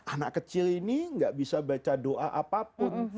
anak kecil ini gak bisa baca doa apapun